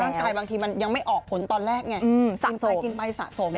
ร่างกายบางทีมันยังไม่ออกผลตอนแรกไง